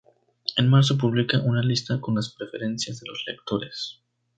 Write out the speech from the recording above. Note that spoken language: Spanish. En marzo publica una lista con las preferencias de los lectores.